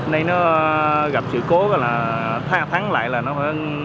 nên nó gặp sự cố là thắng lại là nó phải